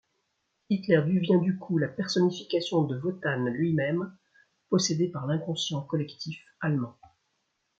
Hitler devient du coup la personnification de Wotan lui-même, possédé par l'inconscient collectif allemand.